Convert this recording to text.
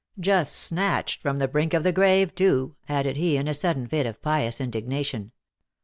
Just snatched from the brink of the grave, too," .added he, in a sud den fit of pious indignation.